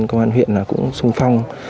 công an huyện là cũng sung phong